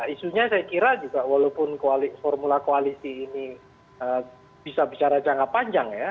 isunya saya kira juga walaupun formula koalisi ini bisa bicara jangka panjang ya